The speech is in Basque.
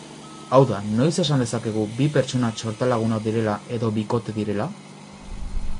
Hau da, noiz esan dezakegu bi pertsona txortalagunak direla edo bikote direla?